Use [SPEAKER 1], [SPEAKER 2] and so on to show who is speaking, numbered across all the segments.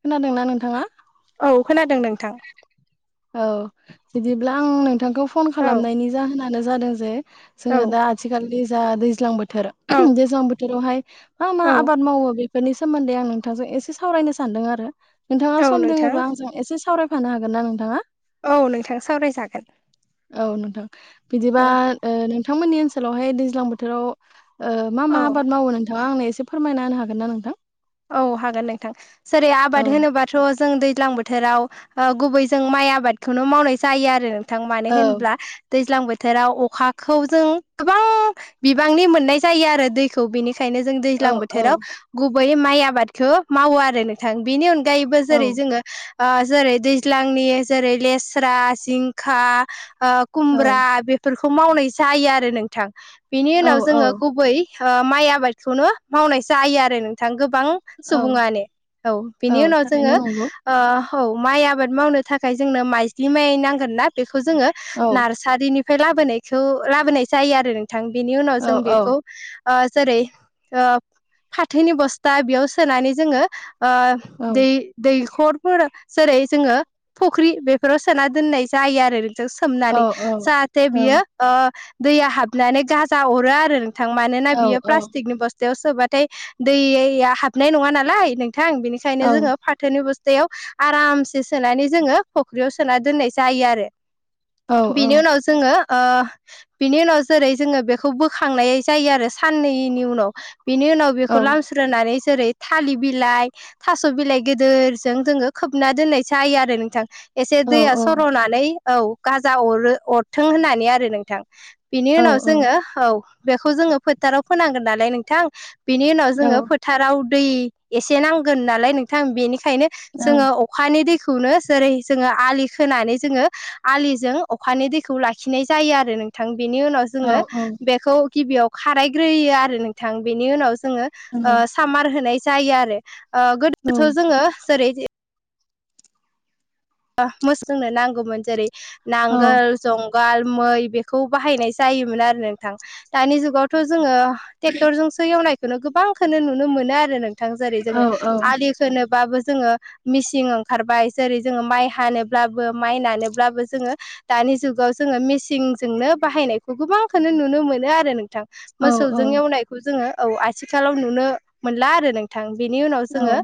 [SPEAKER 1] खोनादोंना नोंथाङा?
[SPEAKER 2] औ [unintelligible]
[SPEAKER 1] औ बिदिब्ला आं नोंथांखौ फन
[SPEAKER 2] औ
[SPEAKER 1] खालामनायनि जाहोनानो जादों जे
[SPEAKER 2] औ
[SPEAKER 1] जोङो दा आथिखालनि जा दैज्लां बोथोर
[SPEAKER 2] औ
[SPEAKER 1] दैज्लां बोथोरावहाय मा मा
[SPEAKER 2] औ
[SPEAKER 1] आबाद मावो बेफोरनि सोमोन्दै आं नोंथांजों एसे सावरायनो सानदों। नोंथाङा
[SPEAKER 2] औ
[SPEAKER 1] सम
[SPEAKER 2] नोंथां
[SPEAKER 1] दोङोबा आंजों एसे सावरायफानो हागोन ना नोंथाङा?
[SPEAKER 2] औ नोंथां सावरायजागोन।
[SPEAKER 1] औ नोंथां बिदिबा
[SPEAKER 2] औ
[SPEAKER 1] ओ नोंथांमोननि ओनसोलावहाय दैज्लां बोथोराव ओ‌ मा
[SPEAKER 2] औ
[SPEAKER 1] मा आबाद मावो नोंथाङा आंनो एसे फोरमायना होनो हागोन ना नोंथां?
[SPEAKER 2] औ हागोन नोंथां सोरै
[SPEAKER 1] औ
[SPEAKER 2] आबाद होनोबाथ' जों दैज्लां बोथोराव ओ गुबै जों माइ आबादखौनो मावनाय जायो आरो। नोंथां मानो
[SPEAKER 1] औ
[SPEAKER 2] होनब्ला दैज्लां बोथोराव अखाखौ जों गोबां बिबांनि मोननाय जायो आरो दैखौ बेनि बेनिखायनो जों
[SPEAKER 1] औ
[SPEAKER 2] दैज्लां
[SPEAKER 1] औ
[SPEAKER 2] बोथोराव गुबै माइ आबादखौ मावो आरो नोंथां बेनि अन गायैबो
[SPEAKER 1] औ
[SPEAKER 2] जेरै जोङो जेरै दैज्लांनि जेरै लेस्रा जिंखा ओ कुमब्रा बेफोरखौ मावनाय जायो आरो नोंथां बेनि
[SPEAKER 1] औ
[SPEAKER 2] उनाव
[SPEAKER 1] औ
[SPEAKER 2] जोङो गुबै ओ माइ आबादखौनो मावनाय जायो आरो नोंथां गो बां
[SPEAKER 1] औ
[SPEAKER 2] सुबुङानो औ बिनि उनाव
[SPEAKER 1] थारैनो
[SPEAKER 2] जोङो
[SPEAKER 1] नंगौ
[SPEAKER 2] ओ औ माइ आबाद मावनो थाखाय जोंनो माइज्लि माइ नांगोन ना बेखौ जोङो
[SPEAKER 1] औ
[SPEAKER 2] नार्सारिनि ओफ्राय लाबोनायखौ लाबोनाय जायो आरो नोंथां बेनि उनाव
[SPEAKER 1] औ
[SPEAKER 2] जों बेखौ ओ जेरै ओ फाथोनि बस्था बेयाव सोनानै जोङो ओ
[SPEAKER 1] औ
[SPEAKER 2] दै दै हाखरफोर जेरै जोङो फुख्रि बेफोराव सोना दोननाय जायो आरो। जों
[SPEAKER 1] औ
[SPEAKER 2] सोमनानै
[SPEAKER 1] औ
[SPEAKER 2] जाहाथे
[SPEAKER 1] औ
[SPEAKER 2] बियो ओ दैया हाबनानै गाजा अरो आरो। नोंथां मानोना
[SPEAKER 1] औ
[SPEAKER 2] बियो प्लास्टिकनि बस्थायाव सोबाथाय दैया हाबनाय नङा नालाय। नोंथां
[SPEAKER 1] औ
[SPEAKER 2] बिनिखायनो जोङो फाथोनि बस स्थायाव आरामसे सोनानै जोङो फुख्रियाव सोना दोननाय जायो आरो।
[SPEAKER 1] औ
[SPEAKER 2] बेनि उनाव जोङो ओ बिनि उनाव जेरै जोङो बेखौ बोखांनाय जायो आरो साननैनि उनाव। बिनि उनाव बेखौ लामस
[SPEAKER 1] औ
[SPEAKER 2] स्रोनानै जेरै थालिर बिलाइ थास' बिलाइ गोदोरजों जोङो खोबना दोननाय जायो आरो। नोंथां एसे
[SPEAKER 1] औ
[SPEAKER 2] दैया सर'नानै औ गाजा अरो अरथों होननानै आरो नोंथां। बिनि
[SPEAKER 1] औ
[SPEAKER 2] उनाव
[SPEAKER 1] औ
[SPEAKER 2] जोङो औ बेखौ जोङो फोथाराव फोनांगोन नालाय नोंथां बिनि उनाव जोङो फोथाराव दै एसे नांगोन नालाय नोंथां बेनिखायनो
[SPEAKER 1] नंगौ
[SPEAKER 2] जोङो अखानि दै खौनो जेरै जोङो आलि खोनानै जोङो आलिजों अखानि दैखौ लाखिनाय जायो आरो नोंथां। बेनि उनाव
[SPEAKER 1] औ औ
[SPEAKER 2] जोङो
[SPEAKER 1] औ
[SPEAKER 2] बेखौ गिबियाव खारायग्रोयो आरो नोंथां बेनि उनाव जोङो
[SPEAKER 1] औ औ
[SPEAKER 2] ओ सामार होनाय जायो आरो ओ गोदोथ'
[SPEAKER 1] औ
[SPEAKER 2] जोङो जेरै ओ मोसौनो नांगौमोन जेरै नांगोल जं गाल मै बेखौ बाहायनाय जायोमोन आरो नोंथां दानि जुगावथ' जोङो ट्रेक्टरजोंसो एवनायखौनो गोबांखो नुनो मोनो आरो नों जेरै जोङो आलि खोनोबाबो जोङो मिसिं ओंखारबाय जेरै जोङो माइ हानोब्लाबो माइ नानोब्लाबो जोङो दानि जुगाव जोङो मेचिंजोंनो बाहाय नायखौ गोबांखौ नुनो मोनो आरो नोंथां। मोसौजों एवनायखौ जोङो औ आथिखालाव नुनो मोनला आरो नोंथां। बिनि उनाव जोङो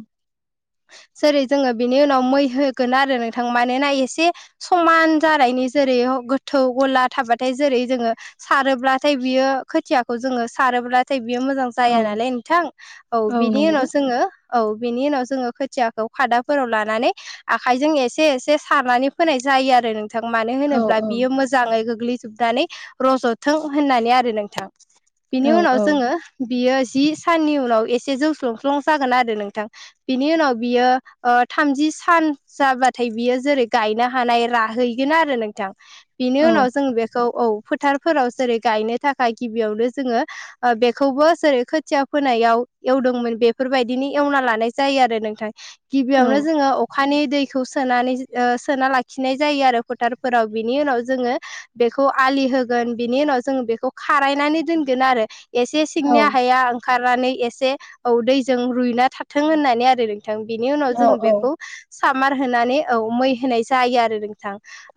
[SPEAKER 2] जेरै जोङो बिनि उनाव मैहो गोन आरो नोंथां मानोना एसे समान जानायनि जेरै गोथौ गला थाबाथाय जेरै जोङो सारोब्लाथाय बियो खोथियाखौ जोङो सारोब्ला नाथाय बियो मोजां जाया नालाय नोंथां औ बिनि उनाव जोङो औ बेनि उनाव जोङो खोथियाखौ खादाफोराव लानानै आखाइजों एसे एसे सारनानै फोनाय जायो आरो नोंथां मानो होनोब्ला बियो मोजाङै गोग्लै जोबनानै रज'थों होननानै आरो नोंथां बिनि उनाव जोङो बियो जि साननि उनाव एसे जौस्लुंस्लं जागोन आरो नोंथां बिनि उनाव बियो थामजि सान जाबाथाय बियो जेरै गायनो हानाय राहैगोन आरो नोंथां। बिनि उनाव जों बेखौ औ फोथारफोराव जेरै गायनो थाखाय गिबियावनो जोङो बेखौबो जेरै खोथिया फोनायाव एवदोंमोन बेफोर बेफोर बादिनो एवना लानाय जायो आरो नोंथां गिबियावनो जोङो अखानि दैखौ सोनानै ओ सोना लाखिनाय जायो आरो फोथारफोराव बिनि उनाव जोङो बे फालि होगोन बिनि उनाव जों बेखौ खारायनानै दोनगोन आरो। एसे सिंनि हाया ओंखारनानै एसे औ दैजों रुइना थाथों होननानै आरो नोंथां। नोंथां बिनि उनाव
[SPEAKER 1] औ
[SPEAKER 2] जोङो बेखौ सामार होनानै औ मै होनाय जायो आरो नोंथां।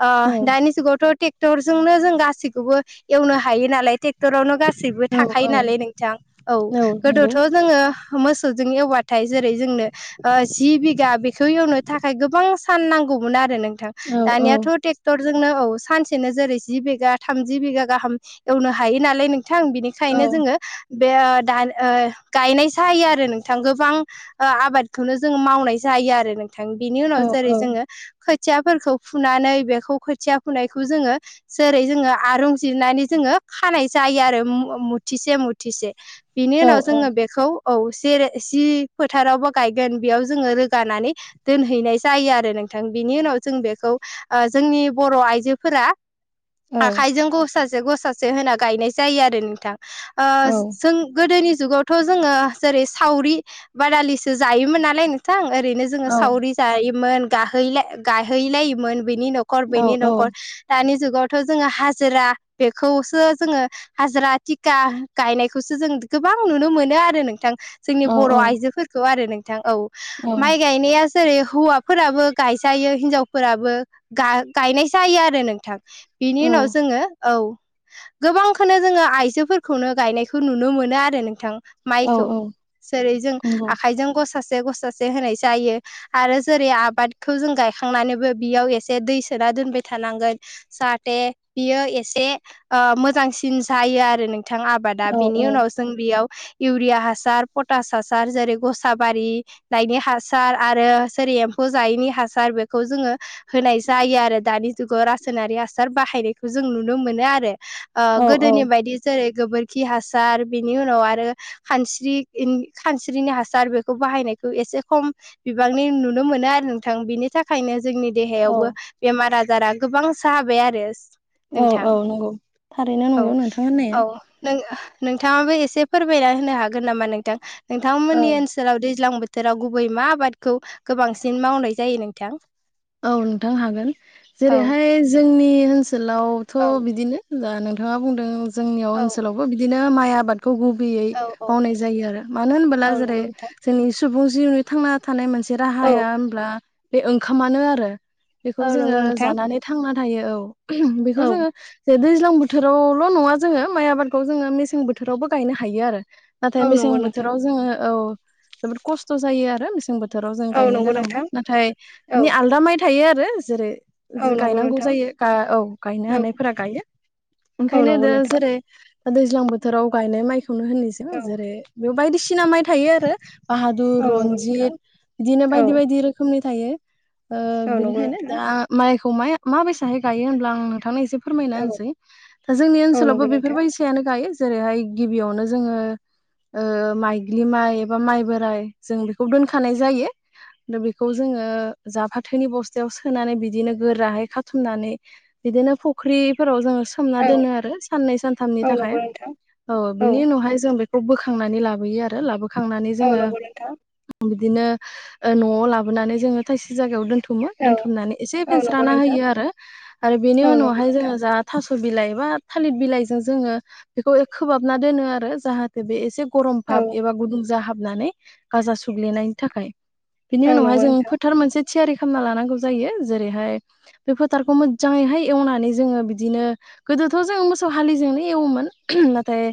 [SPEAKER 2] ओ दानि जुगावथ' ट्रेक्टरजोंनो जों गासैखौबो एवनो हायो नालाय ट्रेक्टरावनो गासैबो
[SPEAKER 1] औ
[SPEAKER 2] थाखायो नालाय नोंथां औ
[SPEAKER 1] नंगौ
[SPEAKER 2] गोदोथ' जोङो मोसौजों एवबाथाय जेरै जोंनो जि बिगा बेखौ एवनो थाखाय गोबां सान नांगौमोन आरो नोंथां
[SPEAKER 1] औ औ
[SPEAKER 2] दानियाथ'
[SPEAKER 1] औ
[SPEAKER 2] ट्रेक्टर जोंनो औ सानसेनो जेरै जि बिगा थामजि बिगा गाहाम एवनो हायो नालाय नों थां बिनिखायनो
[SPEAKER 1] औ
[SPEAKER 2] जोङो बे दा गायनाय जायो आरो नोंथां गोबां आबादखौनो जों मावनाय जायो। जायो आरो नोंथां बिनि उनाव जेरै
[SPEAKER 1] औ औ
[SPEAKER 2] जोङो खो खोथियाफोरखौ फुनानै बेखौ खोथिया फुनायखौ जोङो जेरै जोङो आरंजिरनानै जोङो खानाय जायो आरो मुथिसे मुथिसे बिनि उनाव जोङो बेखौ औ जेरै जि फोथारावबो गायगोन बेयाव जोङो रोगानानै दोनहैनाय जायो आरो नोंथां बिनि उनाव जों बेखौ ओ जोंनि बर' आइजोफोरा आखाइजों गसासे गसासे होना गायनाय जायो आरो नोंथां। ओ जों गोदोनि जुगावथ' जोङो जेरै सावरि बादालिसो जायोमोन नालाय नोंथां ओरैनो जोङो सावरि जायोमोन गायहैलायोमोन बेनि न'खर बेनि न'खर दानि जुगावथ' जोङो हाजिरा बेखौसो जोङो हाजिरा थिखा गायनायखौसो जों गोबां नुनो मोनो आरो नोंथां। जोंनि बर' आइजोफोरखौ आरो नोंथां औ माइ गायनाया जेरै हौवाफोराबो गायजायो हिनजावफोराबो गायनाय जायो आरो नोंथां। बिनि उनाव जोङो औ गोबांखौनो जोङो आइजोफोरखौनो गायनायखौ नुनो मोनो आरो नोंथां।
[SPEAKER 1] औ
[SPEAKER 2] माइखौ
[SPEAKER 1] औ
[SPEAKER 2] जेरै जों
[SPEAKER 1] नंगौ
[SPEAKER 2] आखाइजों गसासे गसासे होनाय जायो। आरो जेरै आबादखौ जों गायखांनानैबो बियाव एसे दै सोना दोनबाय थानांगोन। जाहाथे बियो एसे ओ मोजांसिन जायो आरो। बिथां आबादा
[SPEAKER 1] औ
[SPEAKER 2] बेनि उनाव जों बेयाव इउरिया हासार पटास हासार जेरै गसा बारिनायनि हासार आरो जेरै एमफौ जायैनि हासार बेखौ जोङो होनाय जायो आरो दानि जुगाव रासायनारि हासार बाहायनायखौ जों नुनो मोनो आरो
[SPEAKER 1] औ
[SPEAKER 2] गोदोनि बायदि जेरै गोबोरखि हासार बेनि उनाव आरो खानस्रि खानस्रिनि हासार बेखौ बाहायनाय एसे खम बिबांनि नुनो मोनो आरो नोंथां बिनि थाखायनो जोंनि
[SPEAKER 1] औ
[SPEAKER 2] देहायावबो बेमार आजार आजारा गोबां जाबाय आरो।
[SPEAKER 1] औ
[SPEAKER 2] नोंथां
[SPEAKER 1] औ नंगौ थारैनो
[SPEAKER 2] औ
[SPEAKER 1] नंगौ नोंथां होननाया
[SPEAKER 2] औ नों नोंथाङाबो एसे फोरमायना होनो हागोन नामा नोंथां
[SPEAKER 1] औ
[SPEAKER 2] नोंथांमोननि ओनसोलाव दैज्लां बोथोराव गुबै यै मा आबादखौ गोबांसिन मावनाय जायो नोंथां?
[SPEAKER 1] औ नोंथां हागोन
[SPEAKER 2] औ
[SPEAKER 1] जेरैहाय जोंनि ओनसोलावथ'
[SPEAKER 2] औ
[SPEAKER 1] बिदिनो दा नोंथाङा बुंदों जोंनियाव
[SPEAKER 2] औ
[SPEAKER 1] ओनसोलावबो बिदिनो माइ आबाद खौ गुबैयै
[SPEAKER 2] औ औ
[SPEAKER 1] मावनाय जायो आरो मानो होनबोला
[SPEAKER 2] औ
[SPEAKER 1] जेरै
[SPEAKER 2] नंगौ नोंथां
[SPEAKER 1] जोंनि सुबुं जिउनि थांना थानाय मोनसे
[SPEAKER 2] औ
[SPEAKER 1] राहाया होनब्ला बे ओंखामानो आरो बेखौ
[SPEAKER 2] औ
[SPEAKER 1] जोङो
[SPEAKER 2] नंगौ नोंथां
[SPEAKER 1] जानानै थांना थायो औ बेखौ
[SPEAKER 2] औ
[SPEAKER 1] जोङो जेरै दै दैज्लां बोथोरावल' नङा जोङो माइ आबादखौ जोङो मेसें बोथोरावबो गायनो हायो आरो। नाथाय
[SPEAKER 2] औ
[SPEAKER 1] मेसें
[SPEAKER 2] नंगौ नोंथां
[SPEAKER 1] बोथोराव जोङो औ जोबोद खस्थ' जायो आरो मेसें बोथोराव बोथोराव जों
[SPEAKER 2] औ
[SPEAKER 1] गायनो
[SPEAKER 2] नंगौ
[SPEAKER 1] गोनांबा
[SPEAKER 2] नोंथां
[SPEAKER 1] नाथाय
[SPEAKER 2] औ
[SPEAKER 1] बिनि आलदा माइ थायो आरो जेरै
[SPEAKER 2] औ नंगौ
[SPEAKER 1] गायनांगौ
[SPEAKER 2] नोंथां
[SPEAKER 1] जायो औ गायनो
[SPEAKER 2] औ
[SPEAKER 1] हानायफोरा गायो।
[SPEAKER 2] औ
[SPEAKER 1] ओंखायनो
[SPEAKER 2] नंगौ
[SPEAKER 1] द
[SPEAKER 2] नोंथां
[SPEAKER 1] जेरै दैज्लां बोथोराव गायनाय माइखौ संनो होननायस
[SPEAKER 2] औ
[SPEAKER 1] जेरै बेयाव बायदिसिना माइ थायो आरो बाहादुर
[SPEAKER 2] औ नंगौ नोंथां
[SPEAKER 1] रनजित बिदिनो
[SPEAKER 2] औ
[SPEAKER 1] बायदि बायदि रोखोमनि
[SPEAKER 2] औ नंगौ
[SPEAKER 1] बेनिखायनो
[SPEAKER 2] नोंथां
[SPEAKER 1] दा माइखौ माइ माबोरैहाय गायो होनब्ला आं नोंथांनि एसे फोरमायना
[SPEAKER 2] औ
[SPEAKER 1] होनसै दा जोंनि
[SPEAKER 2] औ
[SPEAKER 1] ओनसोलावबो
[SPEAKER 2] नंगौ नोंथां
[SPEAKER 1] बेफोरबायदियानो गायो। जेरैहाय गिबियावनो जोङो माइजिलि माइ एबा माइ बोराइ जों बेखौ दोनखानाय जायो। दा बेखौ जोङो जा फाथोनि बस्थायाव सोनानै बिदिनो गोराहै खाथुमनानै बिदिनो फुख्रिफोराव जोङो सोमना
[SPEAKER 2] औ
[SPEAKER 1] दोनो आरो साननै सानथामनि
[SPEAKER 2] औ
[SPEAKER 1] थाखाय
[SPEAKER 2] नंगौ नोंथां
[SPEAKER 1] औ बिनि उनावहाय जों बे खौखौ बोखांनानै लाबोयो आरो लाबोखांनानै
[SPEAKER 2] औ
[SPEAKER 1] जोङो
[SPEAKER 2] नंगौ नोंथां
[SPEAKER 1] बिदिनो न'आव लाबोनानै जोङो दाबसे जायगायाव दोन दोनथुमो
[SPEAKER 2] औ
[SPEAKER 1] दोनथुमनानै एसे
[SPEAKER 2] औ नंगौ
[SPEAKER 1] फेनस्राना
[SPEAKER 2] नोंथां
[SPEAKER 1] होयो आरो आरो बेनि
[SPEAKER 2] औ नंगौ
[SPEAKER 1] उनावहाय जोङो
[SPEAKER 2] नोंथां
[SPEAKER 1] जा थास' बिलाइ मा थालिर बिलाइजों जोङो बेखौ खोबहाबना दोनो आरो जाहाथे बे एसे गरम भाब
[SPEAKER 2] औ
[SPEAKER 1] एबा गुदुं जा हाबनानै गाजा सुग्लिनायनि थाखाय बिनि
[SPEAKER 2] औ
[SPEAKER 1] उनावहाय
[SPEAKER 2] नंगौ
[SPEAKER 1] जों
[SPEAKER 2] नोंथां
[SPEAKER 1] फोथार मोनसे थियारि खालामना लानांगौ जायो जेरैहाय बे फोथारखौ मोजाङैहाय एवनानै जोङो बिदि नो गोदोथ' जों मोसौजोंनो हालि एवोमोन ओम नाथाय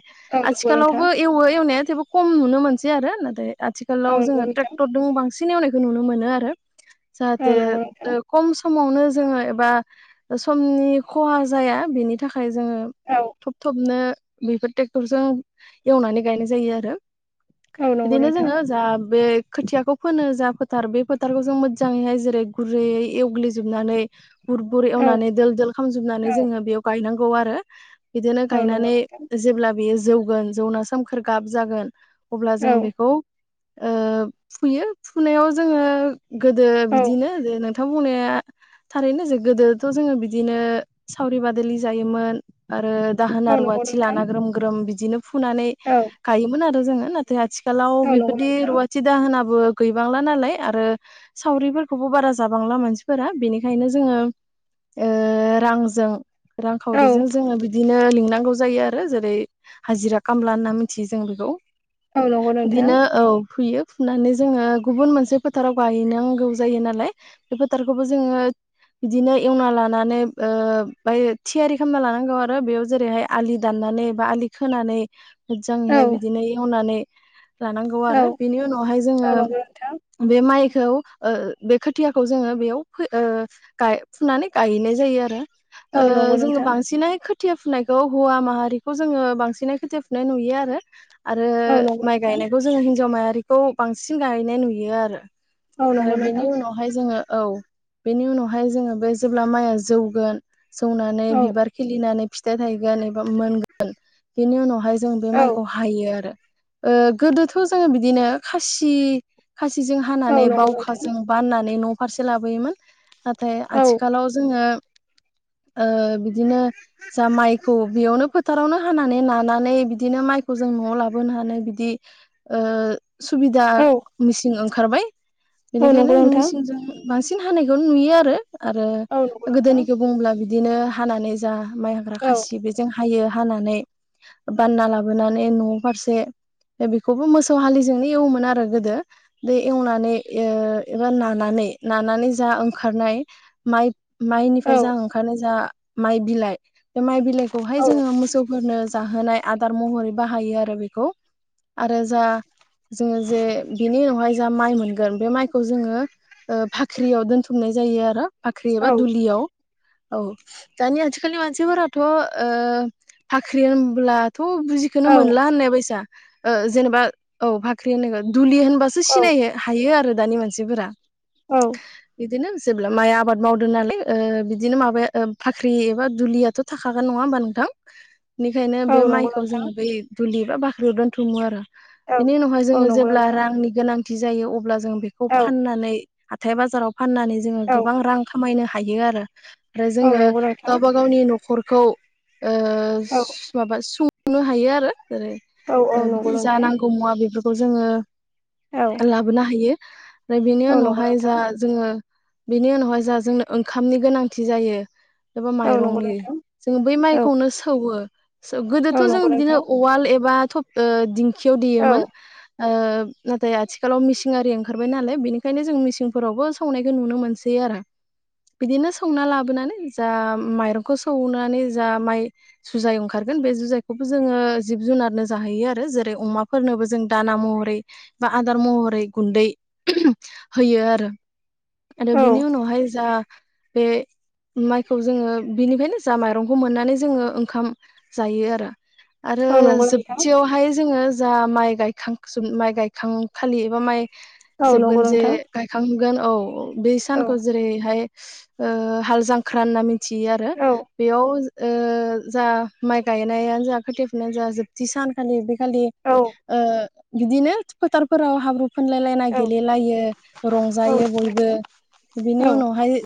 [SPEAKER 1] आथिखालावबो एवो एवनाया थेवबो खम नुनो मोनसै आरो नाथाय
[SPEAKER 2] औ
[SPEAKER 1] आथिखालाव
[SPEAKER 2] नंगौ
[SPEAKER 1] जोङो
[SPEAKER 2] नोंथां
[SPEAKER 1] ट्रेक्टरजों बांसिन एवनायखौ नुनो मोनो आरो जाहाथे
[SPEAKER 2] औ नंगौ नोंथां औ नंगौ
[SPEAKER 1] ओ
[SPEAKER 2] नोंथां
[SPEAKER 1] खम सम समावनो जोङो एबा समनि खहा जाया बेनि थाखाय। थाखाया जोङो
[SPEAKER 2] औ
[SPEAKER 1] थब थबनो बेफोर ट्रेक्टरजों एवनानै गायनाय जायो आरो
[SPEAKER 2] औ नंगौ
[SPEAKER 1] बिदिनो
[SPEAKER 2] नोंथां
[SPEAKER 1] जोङो जा बे खोथियाखौ फोनो जा फोथार बे फो थारखौ जों मोजाङैहाय जेरै गुरैयै एवग्लिजोबनानै बुर बुर
[SPEAKER 2] औ
[SPEAKER 1] एवनानै दोल दोल खालामजोबनानै
[SPEAKER 2] औ
[SPEAKER 1] जोङो बेयाव गायनांगौ आरो बिदिनो
[SPEAKER 2] औ नंगौ
[SPEAKER 1] गायनानै
[SPEAKER 2] नोंथां
[SPEAKER 1] जेब्ला बेयो जौगोन जौना सोमखोर गाब जागोन। अब्ला जों
[SPEAKER 2] औ
[SPEAKER 1] बेखौ ओ फुयो फुनायाव जोङो। गोदो
[SPEAKER 2] औ
[SPEAKER 1] बिदिनो जे नोंथां बुंनाया थारैनो जे गोदोथ' जोङो बिदिनो सावरि बादालि जायोमोन आरो दाहोना
[SPEAKER 2] औ नंगौ
[SPEAKER 1] रुवाथि
[SPEAKER 2] नोंथां
[SPEAKER 1] लाना ग्रोम ग्रोम बिदिनो फुनानै
[SPEAKER 2] औ
[SPEAKER 1] गायोमोन आरो जोङो नाथाय आथि खालाव
[SPEAKER 2] औ नंगौ
[SPEAKER 1] बेबायदि
[SPEAKER 2] नोंथां
[SPEAKER 1] रुवाथि दाहोनाबो गैबांला नालाय आरो सावरिफोरखौबो बारा जाबांला मानसिफोरा बेनिखायनो जोङो ओ रांजों रांखावरिजों
[SPEAKER 2] औ
[SPEAKER 1] जोङो बिदिनो लिंनांगौ जायो। आ रो जेरै हाजिरा खामला होनना मिथियो जों बेखौ
[SPEAKER 2] औ नंगौ नोंथां
[SPEAKER 1] बिदिनो औ फैयो। फुनानै जोङो गुबुन मोनसे फोथाराव गायनांगौ जायो नालाय बे फोथारखौबो जोङो बिदिनो एवना लानानै ओ बाय थियारि खालामना लानांगौ आरो बेयाव जेरैहाय आलि दान नानै बा आलि खोनानै
[SPEAKER 2] औ
[SPEAKER 1] मोजांयैहाय बिदिनो एवनानै लानांगौ
[SPEAKER 2] औ
[SPEAKER 1] आरो बेनि उनावहाय जोङो
[SPEAKER 2] औ नंगौ नोंथां
[SPEAKER 1] बे माइ खौ ओ बे खोथियाखौ जोङो बेयाव फुनानै गायैनाय जायो आरो
[SPEAKER 2] औ
[SPEAKER 1] ओ
[SPEAKER 2] नंगौ
[SPEAKER 1] जोङो
[SPEAKER 2] नोंथां
[SPEAKER 1] बांसिनै खो थिया फुनायखौ हौवा माहारिखौ जोङो बांसिनै खोथिया फुनाय नुयो आरो आरो
[SPEAKER 2] औ नंगौ
[SPEAKER 1] माइ
[SPEAKER 2] नोंथां
[SPEAKER 1] गायनायखौ जोङो हिन्जाव मायारिखौ बांसिन गायनाय नुयो आरो
[SPEAKER 2] औ
[SPEAKER 1] आरो
[SPEAKER 2] नंगौ
[SPEAKER 1] बेनि
[SPEAKER 2] नोंथां
[SPEAKER 1] उनावहाय जोङो औ बेनि उनावहाय जोङो बे जेब्ला माइआ जौगोन जौनानै
[SPEAKER 2] औ
[SPEAKER 1] बिबार खिलिनानै फिथाइ थायगोन एबा मोनगोन बेनि उनावहाय जों बे
[SPEAKER 2] औ
[SPEAKER 1] माइखौ हायो आरो ओ गोदोथ जोङो बिदिनो खासि खासिजों
[SPEAKER 2] औ
[SPEAKER 1] हानानै
[SPEAKER 2] नंगौ नोंथां
[SPEAKER 1] बावखाजों बाननानै न' फारसे लाबोयोमोन नाथाय
[SPEAKER 2] औ
[SPEAKER 1] आथिखालाव जोङो ओ बिदिनो जा माइखौ बेयावनो फोथारावनो हानानै नानानै बिदिनो माइखौ जों न'आव लाबोनो हानो बिदि ओ सुबिदा
[SPEAKER 2] औ
[SPEAKER 1] मिसिं ओंखारबाय
[SPEAKER 2] औ नंगौ
[SPEAKER 1] बेनिखायनो
[SPEAKER 2] नोंथां
[SPEAKER 1] मिसिंजों बांसिन हानायखौनो नुयो आरो आरो
[SPEAKER 2] औ नंगौ नोंथां
[SPEAKER 1] गोदोनिखौ बुङोब्ला बिदिनो हानानै जा माइ हाग्रा
[SPEAKER 2] औ
[SPEAKER 1] खासि बेजों हायो हानानै बानना लाबोनानै न' फारसे दा बेखौबो मोसौ हालिजोंनो एवोमोन आरो गोदो बे एवनानै ओ एबा नानानै नानानै जा ओंखारनाय माइ माइनिफ्राय
[SPEAKER 2] औ
[SPEAKER 1] जों ओंखारनो जा माइ बिलाइ बे माइ बिलाइखौहाय
[SPEAKER 2] औ औ
[SPEAKER 1] जोङो मोसौफोरनो जाहोनाय आदार महरै बाहायो आरो बेखौ आरो जा जोङो जे बिनि उनावहाय जा माइ मोन बे माइखौ जोङो फाख्रियाव दोनथुमनाय जायो आरो फाख्रि एबा दुलियाव औ दानि आथिखालनि मानसिफोराथ ओ फाख्रि होनब्ला थ बुजिखोनो
[SPEAKER 2] औ
[SPEAKER 1] मोनला होननाय बायसा ओ जेनेबा औ फाख्रि होननायखो दुलि होन सो
[SPEAKER 2] औ
[SPEAKER 1] सिनायनो हायो आरो दानि मानसिफोरा
[SPEAKER 2] औ
[SPEAKER 1] बिदिनो जेब्ला माइआ आबाद मावदों नालाय ओ बिदिनो माबाया ओ फाख्रि एबा दुलियाथ थाखागोन नङा होमबा नोंथां बेनिखायनो
[SPEAKER 2] औ
[SPEAKER 1] बे
[SPEAKER 2] नंगौ
[SPEAKER 1] माइखौ
[SPEAKER 2] नोंथां
[SPEAKER 1] जोङो बै दुलि बा बाख्रियाव दोनथुमो आरो
[SPEAKER 2] औ
[SPEAKER 1] बिनि उनावहाय
[SPEAKER 2] औ
[SPEAKER 1] जोङो
[SPEAKER 2] नंगौ
[SPEAKER 1] जेब्ला
[SPEAKER 2] नोंथां
[SPEAKER 1] रांनि गोनांथि जायो अब्ला जों बेखौ
[SPEAKER 2] औ
[SPEAKER 1] फाननानै हाथाय बाजाराव फाननानै जोङो
[SPEAKER 2] औ
[SPEAKER 1] गोबां रां खामायनो हायो आरो। आरो
[SPEAKER 2] औ
[SPEAKER 1] जोङो
[SPEAKER 2] नंगौ नोंथां
[SPEAKER 1] गावबा गावनि न'खरखौ ओ
[SPEAKER 2] औ
[SPEAKER 1] माबा सुं नों हायो आरो जेरै
[SPEAKER 2] औ औ नंगौ
[SPEAKER 1] बिदि जा
[SPEAKER 2] नोंथां
[SPEAKER 1] नांगौ मुवा बेफोरखौ जोङो
[SPEAKER 2] औ
[SPEAKER 1] लाबोनो हायो। ओमफ्राय बेनि
[SPEAKER 2] औ नंगौ
[SPEAKER 1] उनावहाय
[SPEAKER 2] नोंथां
[SPEAKER 1] जा जोङो बेनि उनावहाय जा जों ओंखामनि गोनांथि जायो एबा
[SPEAKER 2] औ नंगौ
[SPEAKER 1] माइरंनि
[SPEAKER 2] नोंथां
[SPEAKER 1] जोङो बै
[SPEAKER 2] औ
[SPEAKER 1] माइखौनो सौवो। स गोदोथ
[SPEAKER 2] औ
[SPEAKER 1] जों
[SPEAKER 2] नंगौ
[SPEAKER 1] बिदिनो
[SPEAKER 2] नोंथां
[SPEAKER 1] उवाल एबा थब एबा दिंखियाव
[SPEAKER 2] औ
[SPEAKER 1] देयोमोन। ओ आथिखालाव मिसिं आरि ओंखारबाय नालाय बेनिखायनो जों मिसिंफोरावबो संनायखौ नुनो मोनसै आरो। बिदिनो सौना लाबोनानै जा माइरंखौ सौनानै जा माइ सुजाय ओंखार बे जुजायखौबो जोङो जिब जुनारनो जाहैयो आरो जेरै अमाफोरनोबो जों दाना महरै बा आदार महरै गुन्दै होयो आरो। आरो
[SPEAKER 2] औ
[SPEAKER 1] बिनि उनावहाय जा बे माइखौ जोङो बिनिफ्रायायनो जा माइरंखौ मोननानै जोङो ओंखाम जायो आरो। आरो
[SPEAKER 2] औ नंगौ नोंथां
[SPEAKER 1] जोबथियावहाय जोङो जा माइ गायखां माइ गायखांखालि एबा माइ
[SPEAKER 2] औ नंगौ
[SPEAKER 1] जोबगोन जे
[SPEAKER 2] नोंथां
[SPEAKER 1] गायखांगोन औ बे
[SPEAKER 2] औ
[SPEAKER 1] सानखौ जेरैहाय हाल जांख्रा होनना मिथियो आरो
[SPEAKER 2] औ
[SPEAKER 1] बेयाव जा माइ गायनायानो जा खोथायफुनायानो जा जोबथि सानखालि बे खालि
[SPEAKER 2] औ
[SPEAKER 1] बिदिनो फोथारफोराव हाब्रु खनलाय लायनाय
[SPEAKER 2] औ
[SPEAKER 1] गेलेलायो रंजायो बयबो बिनि
[SPEAKER 2] औ
[SPEAKER 1] उनावहाय